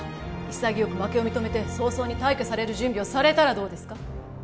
潔く負けを認めて早々に退去される準備をされたらどうですか？